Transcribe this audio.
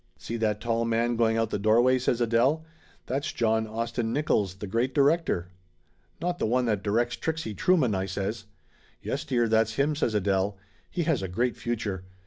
"See that tall man going out the doorway?" says Adele. "That's John Austin Nickolls, the great di rector." "Not the one that directs Trixie Trueman !" I says. "Yes, dear, that's him," says Adele. "He has a great future.